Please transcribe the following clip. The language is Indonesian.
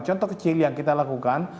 contoh kecil yang kita lakukan